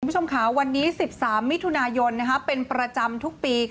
คุณผู้ชมค่ะวันนี้๑๓มิถุนายนเป็นประจำทุกปี